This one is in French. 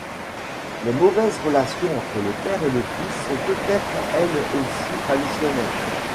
Les mauvaises relations entre le père et le fils sont peut-être elles aussi traditionnelles.